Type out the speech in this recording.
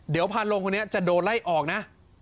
เดี๋ยวพาลงคนนี้จะโดนไล่ออกนะ